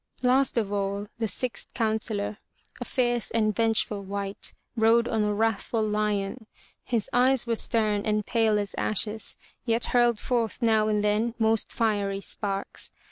Last of all, the sixth counsellor, a fierce and vengeful wight, rode on a wrathful lion. His eyes were stern and pale as ashes, yet hurled forth now and then most fiery sparks.